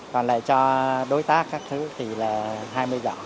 còn lại cho đối tác các thứ thì là hai mươi giỏ